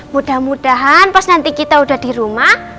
mudah mudahan pas nanti kita udah di rumah